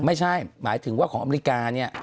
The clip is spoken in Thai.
ไม่ใช่หมายถึงว่าของอเมริกาเนี่ย